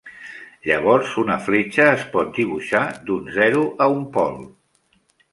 Llavors una fletxa es pot dibuixar d'un zero a un pol.